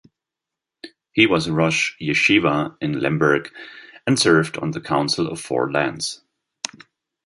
He was Rosh Yeshiva in Lemberg and served on the Council of Four Lands.